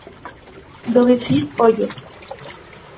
Veu dicir: Ollo!